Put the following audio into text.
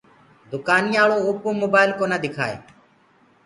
دُڪآنيآݪو اوپو موبآئل ڪونآ دِڪآئي۔